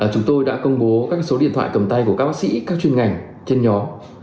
chúng tôi đã công bố các số điện thoại cầm tay của các bác sĩ các chuyên ngành trên nhóm